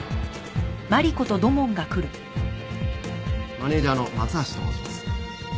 マネジャーの松橋と申します。